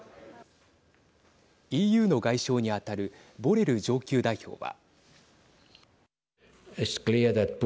ＥＵの外相に当たるボレル上級代表は。